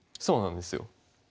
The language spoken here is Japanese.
そうなんですよ。